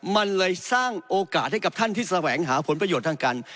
มันเลยสร้างโอกาสให้กับท่านที่แสวงหาผลประโยชน์ทางการ